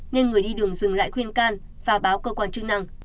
nên người đi đường dừng lại khuyên can và báo cơ quan chức năng